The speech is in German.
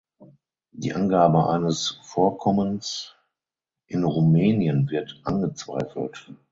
Die Angabe eines Vorkommens in Rumänien wird angezweifelt.